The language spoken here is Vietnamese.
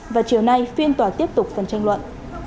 và chiều nay phiên tòa tiếp tục phần tranh luận